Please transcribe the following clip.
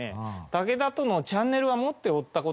武田とのチャンネルは持っておった事は。